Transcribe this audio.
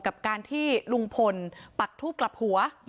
กับการที่ลุงพลปักทูบกลับหัว